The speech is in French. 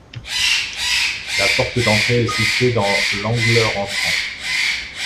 La porte d'entrée est située dans l'angle rentrant.